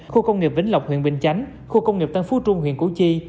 khu công nghiệp vĩnh lộc huyện bình chánh khu công nghiệp tân phú trung huyện củ chi